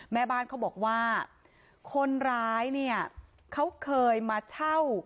แม่บ้านเขาบอกว่าคนร้ายเนี่ยเขาเคยมาเช่า